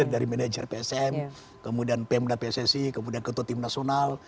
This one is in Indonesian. dari manajer psm kemudian pemda pssi kemudian ketua tim nasional